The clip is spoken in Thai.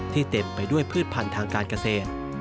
เต็มไปด้วยพืชพันธุ์ทางการเกษตร